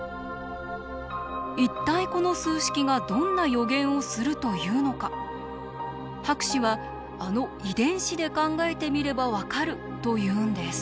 一体この数式がどんな予言をするというのか博士はあの遺伝子で考えてみれば分かるというんです。